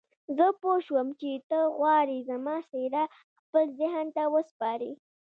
زه پوه شوم چې ته غواړې زما څېره خپل ذهن ته وسپارې.